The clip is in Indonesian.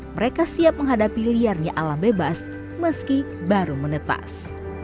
mereka siap menghadapi liarnya ala bebas meski baru menetas